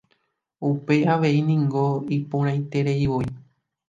Upéi avei niko ipo'aitereivoi.